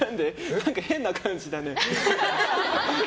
何か変な感じだね。